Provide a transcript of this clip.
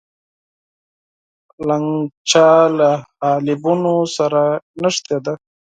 لګنچه له حالبینو سره نښتې ده.